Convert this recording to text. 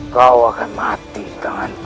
kau akan mati di tanganku